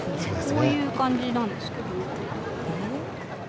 こういう感じなんですけど。